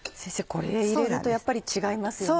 これ入れるとやっぱり違いますよね。